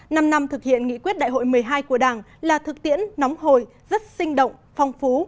năm năm thực hiện nghị quyết đại hội một mươi hai của đảng là thực tiễn nóng hồi rất sinh động phong phú